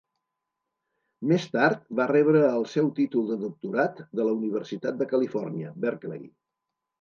Més tard, va rebre el seu títol de doctorat de la Universitat de Califòrnia, Berkeley.